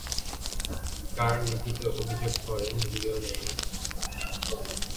কার লিখিত অভিযোগ করেন লিওনাইন?